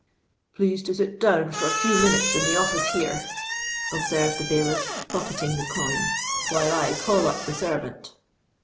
"Please to sit down for a few minutes in the office here," observed the bailiff, pocketing the coin, "while I call up the servant."